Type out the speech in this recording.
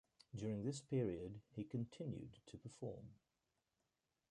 During this period he continued to perform.